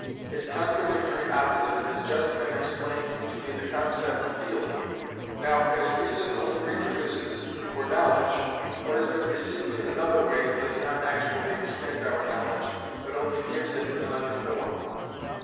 Its contradictory opposite has just been explained to be the concept "feeling." Now, as reason only reproduces, for knowledge, what has been received in another way, it does not actually extend our knowledge, but only gives it another form.